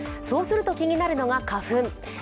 そうすると気になるのが花粉。